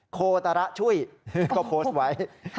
โคตระช่วยก็โพสต์ไว้